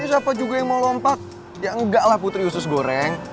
ini siapa juga yang mau lompat ya enggak lah putri usus goreng